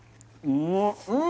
うん！